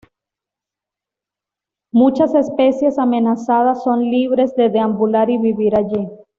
Muchas especies amenazadas son libres de deambular y vivir allí.